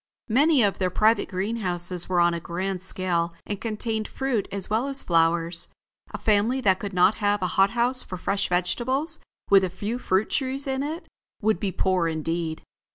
Many of their private greenhouses were on a grand scale and contained fruit as well as flowers. A family that could not have a hot house for fresh vegetables, with a few fruit trees in it, would be poor indeed.